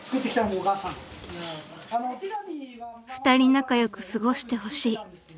［２人仲良く過ごしてほしい］